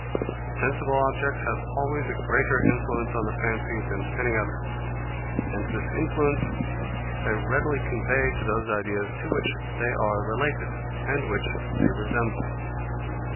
Sensible objects have always a greater influence on the fancy than any other; and this influence they readily convey to those ideas to which they are related, and which they resemble.